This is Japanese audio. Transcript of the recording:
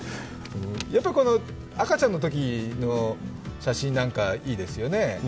やっぱりこの赤ちゃんのときの写真なんかいいですよね。